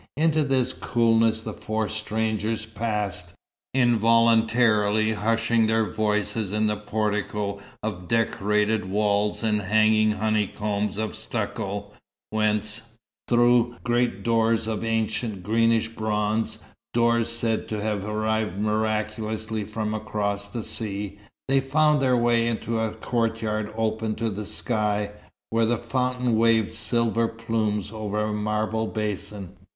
Into this coolness the four strangers passed, involuntarily hushing their voices in the portico of decorated walls and hanging honeycombs of stucco whence, through great doors of ancient, greenish bronze (doors said to have arrived miraculously from across the sea), they found their way into a courtyard open to the sky, where a fountain waved silver plumes over a marble basin.